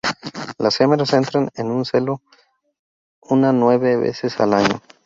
Las hembras entran en celo una nueve veces al año.